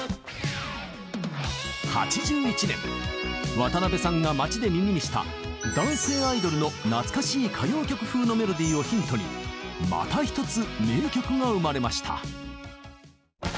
８１年渡辺さんが街で耳にした男性アイドルの懐かしい歌謡曲風のメロディーをヒントにまた一つ名曲が生まれました。